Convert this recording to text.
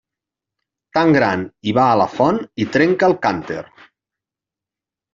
Tan gran i va a la font i trenca el cànter.